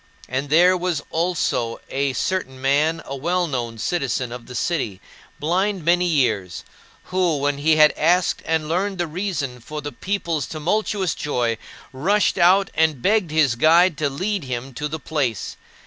And there was also a certain man, a well known citizen of the city, blind many years, who, when he had asked and learned the reason for the people's tumultuous joy, rushed out and begged his guide to lead him to the place.